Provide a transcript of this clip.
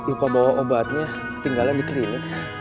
lupa bawa obatnya ketinggalan di klinik